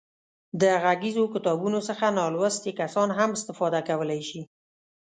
د غږیزو کتابونو څخه نالوستي کسان هم استفاده کولای شي.